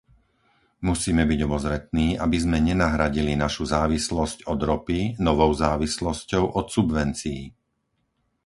Musíme byť obozretní, aby sme nenahradili našu závislosť od ropy novou závislosťou od subvencií.